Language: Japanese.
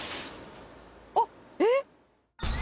あっえっ？